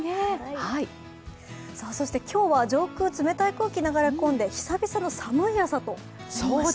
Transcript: そして、今日は上空、冷たい空気が流れ込んで久々の寒い朝となりました。